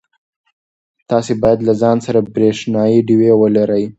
تاسي باید له ځان سره برېښنایی ډېوې ولرئ.